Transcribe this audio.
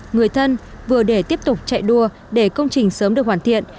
người thân vừa để tiếp tục chạy đua để công trình sớm được hoàn thiện